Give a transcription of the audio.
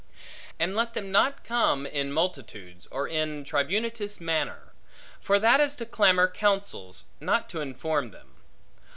And let them not come in multitudes, or in a tribunitious manner; for that is to clamor counsels, not to inform them.